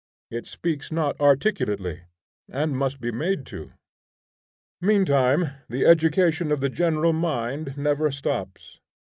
It speaks not articulately, and must be made to. Meantime the education of the general mind never stops.